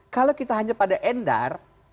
kalau kita hanya pada endar